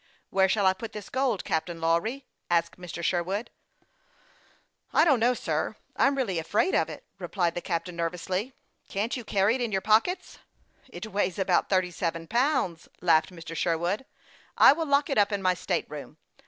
" Where shall I put this gold, Captain Lawry ?" asked Mr. Sherwood. " I don't know, sir ; I'm really afraid of it," re plied the captain, nervously. " Can't you carry it in your pockets ?"" It weighs about thirty seven pounds," laughed Mr. Sherwood. " I will lock it up in my state room.